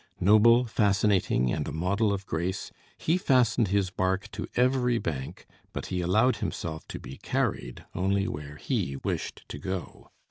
Noble, fascinating and a model of grace, he fastened his bark to every bank; but he allowed himself to be carried only where he wished to go.